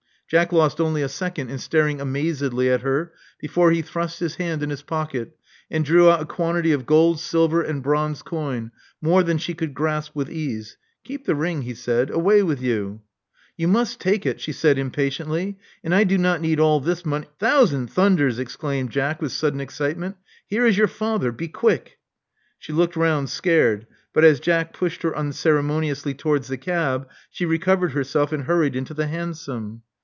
'* Jack lost only a second in staring amazedly at her before he thrust his hand in his pocket, and drew out a quantity of gold, silver and bronze coin, more than she could grasp with ease. Keep the ring," he said. Away with you." You must take it," she said impatiently. And I do not need all this mon "Thousand thunders!" exclaimed Jack with sudden excitement, here is your father. Be quick." She looked round, scared; but as Jack pushed her unceremoniously towards the cab, she recovered her self and hurried into the hansom.